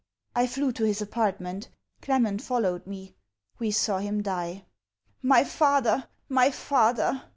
I flew to his apartment. Clement followed me. We saw him die. 'My father! my father!'